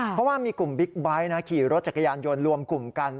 เพราะว่ามีกลุ่มบิ๊กไบท์ขี่รถจักรยานยนต์รวมกลุ่มกัน